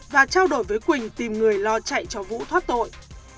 và trao đổi với quỳnh tìm người lo chạy cho vũ thoát tội